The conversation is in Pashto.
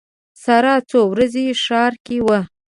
ساره څو ورځې ښار کې وه.